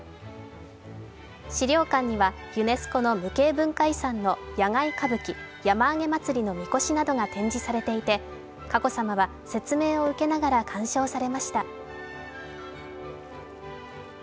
資料館にはユネスコの無形文化遺産の野外歌舞伎、山あげ祭のみこしなどが展示されていて佳子さまは説明を受けながら鑑賞されました。